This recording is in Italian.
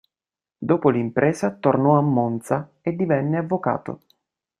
Dopo l'impresa tornò a Monza e divenne avvocato.